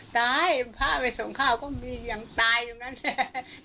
ตายพระไปส่งข้าวก็มียังตายอยู่นั่นแหละ